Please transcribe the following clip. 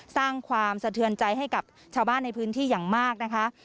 สร้างความสะเทือนใจให้กับชาวบ้านในพื้นที่อย่างมากนะคะ